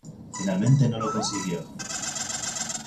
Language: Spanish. Finalmente no lo consiguió.